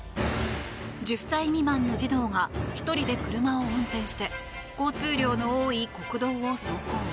１０歳未満の児童が１人で車を運転して交通量の多い国道を走行。